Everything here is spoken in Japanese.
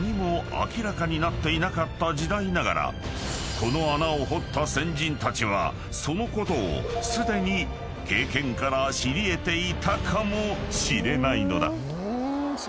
［この穴を掘った先人たちはそのことをすでに経験から知り得ていたかもしれないのだ］